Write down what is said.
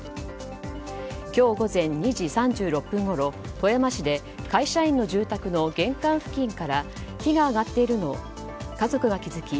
今日午前２時３６分ごろ、富山市で会社員の住宅の玄関付近から火が上がっているのを家族が気付き